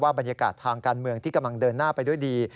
บรรยากาศทางการเมืองที่กำลังเดินหน้าไปด้วยดี